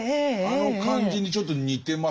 あの感じにちょっと似てますよね。